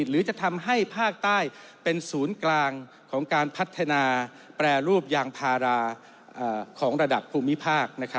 หรือจะทำให้ภาคใต้เป็นศูนย์กลางของการพัฒนาแปรรูปยางพาราของระดับภูมิภาค